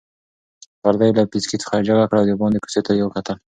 پرده یې له پیڅکې څخه جګه کړه او د باندې کوڅې ته یې وکتل.